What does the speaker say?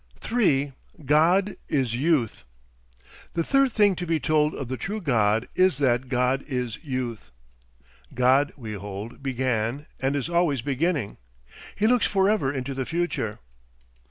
3. GOD IS YOUTH The third thing to be told of the true God is that GOD IS YOUTH. God, we hold, began and is always beginning. He looks forever into the future.